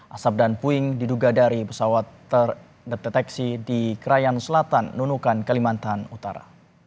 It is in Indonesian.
asap dan puing diduga dari pesawat terdeteksi di krayan selatan nunukan kalimantan utara